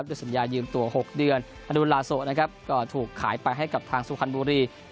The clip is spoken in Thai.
ด้วยสัญญายืมตัว๖เดือนอันดุลาโสก็ถูกขายไปให้กับทางสุครันบุรี